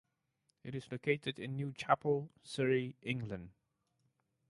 It is located in Newchapel, Surrey, England.